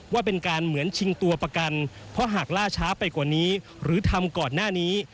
ว่าเป็นการเหมือนชิงตัวประกันเพราะหากล่าช้าไปกว่านี้หรือทำก่อนหน้านี้